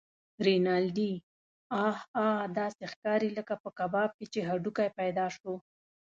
رینالډي: اه اه! داسې ښکارې لکه په کباب کې چې هډوکی پیدا شوی.